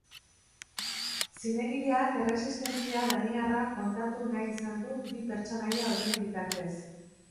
Zinegileak erresistentzia daniarra kontatu nahi izan du bi pertsonaia horien bitartez.